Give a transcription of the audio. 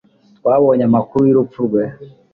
twabonye amakuru y'urupfu rwe